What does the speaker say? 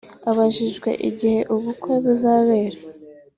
Abajijwe igihe ubukwe buzabera